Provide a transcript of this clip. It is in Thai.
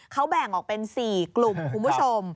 เขาแบ่งออกเป็น๔กลุ่มคุณผู้ชม